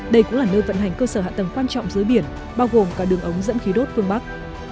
đây cũng là nơi vận hành cơ sở hạ tầng quan trọng dưới biển bao gồm cả đường ống dẫn khí đốt phương bắc